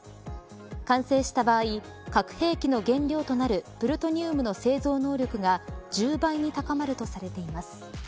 完成した場合核兵器の原料となるプルトニウムの製造能力が１０倍に高まるとされています。